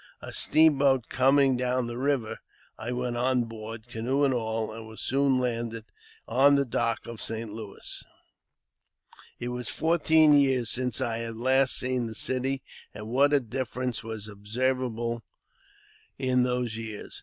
A steamboat coming down the river, I went on board, canoe and all, and was soon landed on the dock of St. Louis. It was fourteen years since I had last seen the city, and | what a difference was observable in those few years